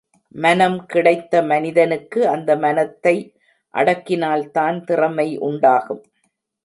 மனம் கிடைத்த மனிதனுக்கு அந்த மனத்தை அடக்கினால்தான் திறமை உண்டாகும்.